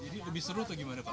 jadi lebih seru atau gimana pak